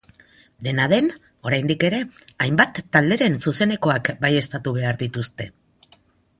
Dena den, oraindik ere, hainbat talderen zuzenekoak baieztatu behar dituzte.